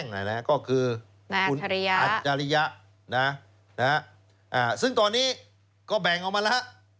ยังไงลามมกร์ก็คือพูดง่ายขายของแหละ